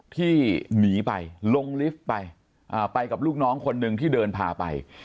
ที่หนีไปลงลิฟต์ไปไปกับลูกน้องคนหนึ่งที่เดินพาไป